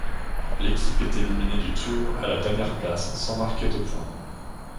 L'équipe est éliminé du tour à la dernière place sans marquer de point.